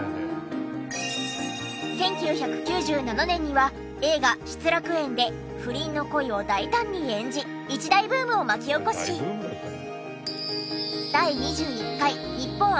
１９９７年には映画『失楽園』で不倫の恋を大胆に演じ一大ブームを巻き起こし。と思いますけど。